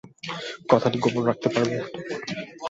কথাটা গোপন রাখতে পারবে?